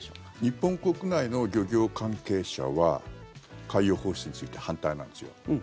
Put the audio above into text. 日本国内の漁業関係者は海洋放出について反対なんです。